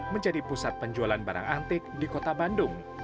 menjadi pusat penjualan barang antik di kota bandung